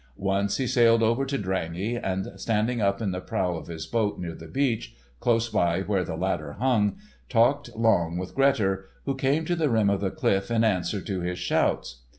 Once he sailed over to Drangey, and standing up in the prow of his boat near the beach, close by where the ladder hung, talked long with Grettir, who came to the rim of the cliff in answer to his shouts.